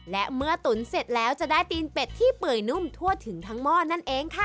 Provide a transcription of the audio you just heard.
และเมื่อตุ๋นเสร็จแล้วจะได้ตีนเป็ดที่เปื่อยนุ่มทั่วถึงทั้งหม้อนั่นเองค่ะ